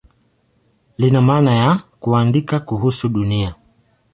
Lina maana ya "kuandika kuhusu Dunia".